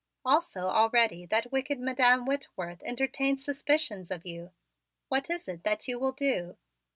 Also, already that wicked Madam Whitworth entertains suspicions of you. What is it that you will do?"